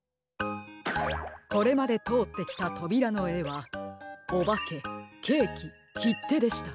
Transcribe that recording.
これまでとおってきたとびらのえはおばけケーキきってでした。